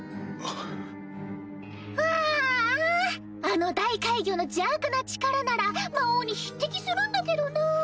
あの大怪魚の邪悪な力なら魔王に匹敵するんだけどな！